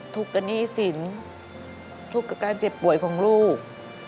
กับหนี้สินทุกข์กับการเจ็บป่วยของลูก